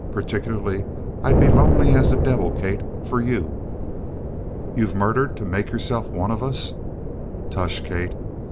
Particularly, I'd be lonely as the devil, Kate, for you!" "You've murdered to make yourself one of us?" "Tush, Kate.